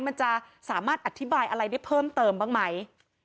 มันจะสามารถอธิบายอะไรได้เพิ่มเติมบ้างไหม